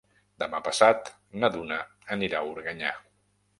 Demà passat na Duna anirà a Organyà.